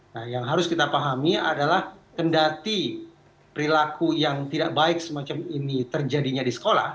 nah yang harus kita pahami adalah kendati perilaku yang tidak baik semacam ini terjadinya di sekolah